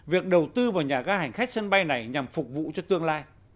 việc đầu tư vào nhà ga hành khách sân bay này nhằm phục vụ cho tương lai